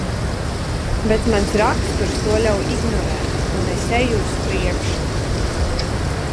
Bet mans raksturs to ļauj ignorēt, un es eju uz priekšu.